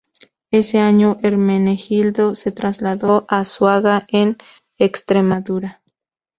Ese año, Hermenegildo se trasladó a Azuaga, en Extremadura.